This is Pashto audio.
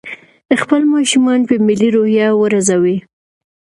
خپل ماشومان په ملي روحيه وروزئ.